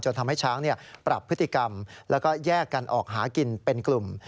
ทำให้ช้างปรับพฤติกรรมแล้วก็แยกกันออกหากินเป็นกลุ่ม